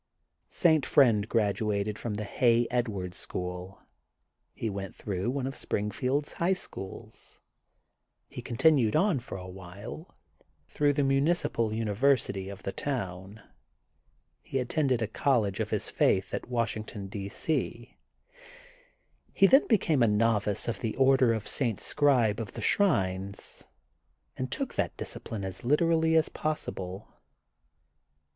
St. Friend graduated fromf the Hay Ed wards school. He went through one oi Spring 174 THE GOLDEN BOOK OF SPRINGFIELD field's High Schools. He continued on for a while through the Municipal University of the town. He attended a college of his faith at Washington, D. C. He then became a novice of the order of St. Scribe of the Shrines and took that discipline as literally as possible.